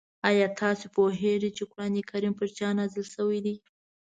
آیا تاسو پوهېږئ چې قرآن کریم په چا نازل شوی دی؟